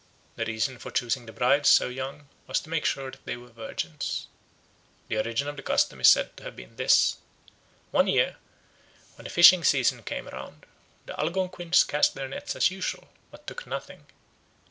The reason for choosing the brides so young was to make sure that they were virgins. The origin of the custom is said to have been this. One year, when the fishing season came round, the Algonquins cast their nets as usual, but took nothing.